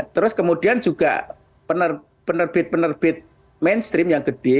terus kemudian juga penerbit penerbit mainstream yang gede